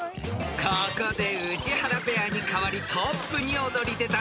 ［ここで宇治原ペアにかわりトップに躍り出たのがトシペア］